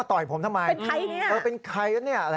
ตอนต่อไป